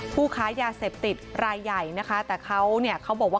ผู้ค้ายาเสพติดรายใหญ่นะคะแต่เขาเนี่ยเขาบอกว่า